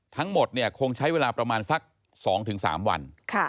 ทั้งหมดคงใช้เวลาประมาณสัก๒๓วัน